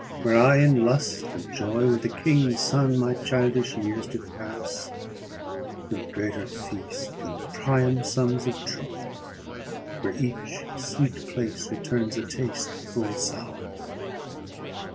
Where I in lust and joy, With a king's son, my childish years did pass, In greater feast than Priam's sons of Troy; Where each sweet place returns a taste full sour.